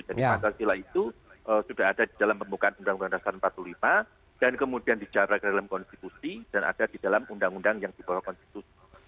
jadi pancasila itu sudah ada di dalam pembukaan uud empat puluh lima dan kemudian dijadikan dalam konstitusi dan ada di dalam undang undang yang dibawa konstitusi